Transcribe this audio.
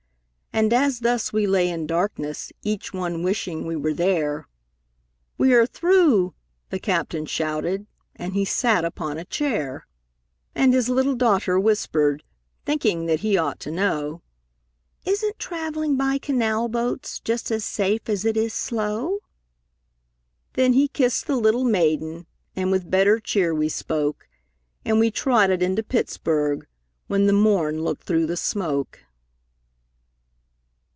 And as thus we lay in darkness, Each one wishing we were there, "We are through!" the captain shouted, And he sat upon a chair. And his little daughter whispered, Thinking that he ought to know, "Isn't travelling by canal boats Just as safe as it is slow?" Then he kissed the little maiden, And with better cheer we spoke, And we trotted into Pittsburg, When the morn looked through the smoke.